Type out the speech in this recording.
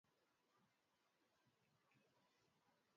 Au nionapo shida